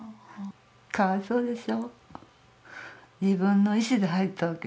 かわいそうですよ。